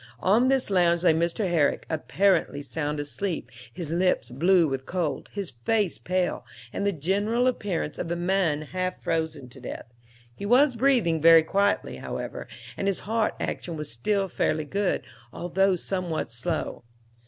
On this lounge lay Mr. Herrick apparently sound asleep; his lips blue with cold, his face pale, and the general appearance of a man half frozen to death. He was breathing very quietly, however, and his heart action was still fairly good, although somewhat slow.